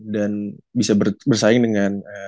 dan bisa bersaing dengan